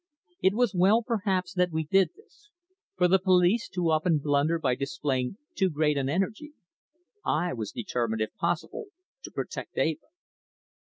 It was well, perhaps, that we did this, for the police too often blunder by displaying too great an energy. I was determined if possible to protect Eva.